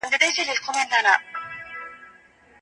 نړيوال سازمانونه د بشري حقونو د ساتنې لپاره هڅي کوي.